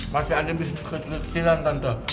masih ada bisnis kecil kecilan tante